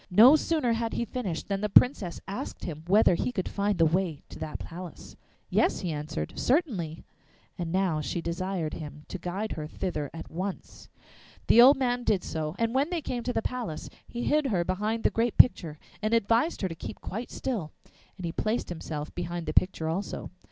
No sooner had he finished than the Princess asked him whether he could find the way to that palace. 'Yes,' he answered, 'certainly.' And now she desired him to guide her thither at once. The old man did so, and when they came to the palace he hid her behind the great picture and advised her to keep quite still, and he placed himself behind the picture also.